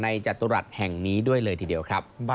จตุรัสแห่งนี้ด้วยเลยทีเดียวครับ